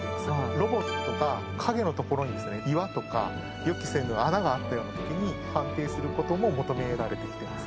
ロボットが影の所に岩とか予期せぬ穴があったときに判定することも求められてきてます。